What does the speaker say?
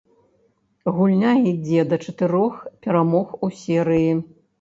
Гульня ідзе да чатырох перамог у серыі.